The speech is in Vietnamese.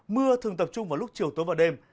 mưa thường tập trung vào lúc chiều tối và đêm